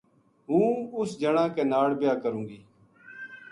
ہوں اس جنا کے ناڑ بیاہ کروں گی